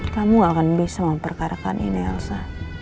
kamu akan bisa memperkarakan ini elsa